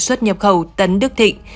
xuất nhập khẩu tấn đức thịnh